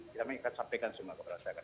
kami akan sampaikan semua kepada masyarakat